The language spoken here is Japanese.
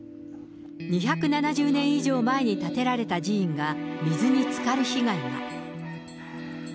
２７０年以上前に建てられた寺院が水につかる被害が。